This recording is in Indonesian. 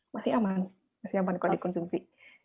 masih aman masih aman kalau dikonsumsi